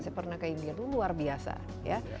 saya pernah ke india itu luar biasa ya